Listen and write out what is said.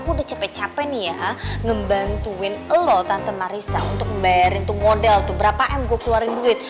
aku udah capek capek nih ya ngebantuin lo tante marisa untuk membayarin tuh model tuh berapa m gue keluarin duit